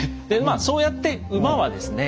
そうやって馬はですね